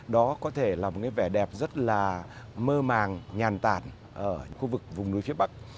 đó có thể là một cái vẻ đẹp rất là mơ màng nhàn tản ở khu vực vùng núi phía bắc